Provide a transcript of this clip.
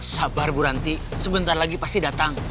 sabar bu ranti sebentar lagi pasti datang